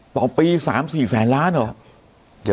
ต่อปี๓๔แสนล้านเหรอ